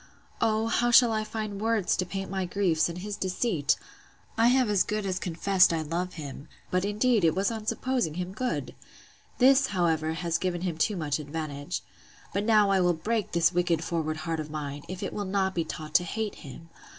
O, how shall I find words to paint my griefs, and his deceit! I have as good as confessed I love him; but, indeed, it was on supposing him good.—This, however, has given him too much advantage. But now I will break this wicked forward heart of mine, if it will not be taught to hate him!